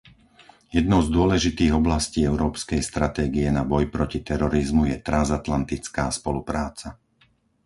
Jednou z dôležitých oblastí európskej stratégie na boj proti terorizmu je transatlantická spolupráca.